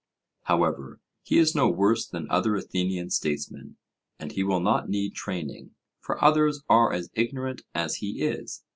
However, he is no worse than other Athenian statesmen; and he will not need training, for others are as ignorant as he is.